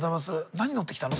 何乗ってきたの？